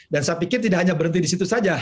dan saya pikir tidak hanya berhenti di situ saja